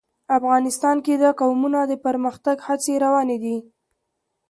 افغانستان کې د قومونه د پرمختګ هڅې روانې دي.